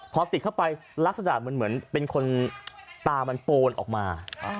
พอติดเข้าไปลักษณะเหมือนเป็นคนตามันโปนออกมา